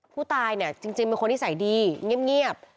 ผู้ตายเนี่ยจริงเป็นคนนิสัยดีเงียบ